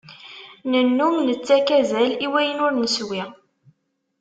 Nennum nettakk azal i wayen ur neswi.